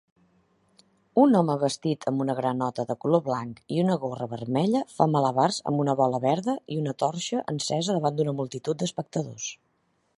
Un home vestit amb una granota de color blanc i una gorra vermella fa malabars amb una bola verda i una torxa encesa davant d'una multitud d'espectadors